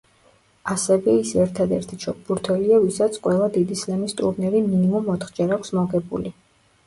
ასევე ის ერთადერთი ჩოგბურთელია, ვისაც ყველა დიდი სლემის ტურნირი მინიმუმ ოთხჯერ აქვს მოგებული.